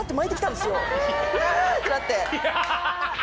う！ってなって。